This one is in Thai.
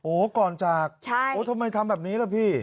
โอ๊ยก่อนจากทำไมทำแบบนี้ล่ะพี่ใช่